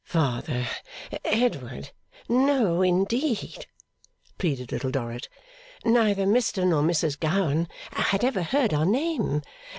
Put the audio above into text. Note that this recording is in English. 'Father Edward no indeed!' pleaded Little Dorrit. 'Neither Mr nor Mrs Gowan had ever heard our name.